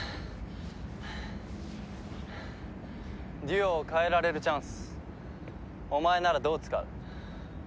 デュオを変えられるチャンスお前ならどう使う？